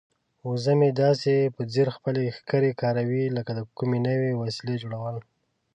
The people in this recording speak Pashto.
وزه مې داسې په ځیر خپلې ښکرې کاروي لکه د کومې نوې وسیلې جوړول.